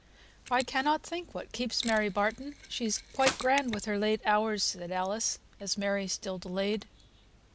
"I cannot think what keeps Mary Barton. She's quite grand with her late hours," said Alice, as Mary still delayed.